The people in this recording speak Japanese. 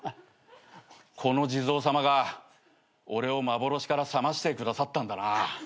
この地蔵さまが俺を幻から覚ましてくださったんだな。